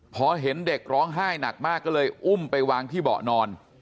พอเห็นเด็กร้องไห้หนักมากก็เลยอุ้มไปวางที่เบาะนอน